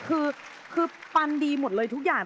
คือปันดีหมดเลยทุกอย่าง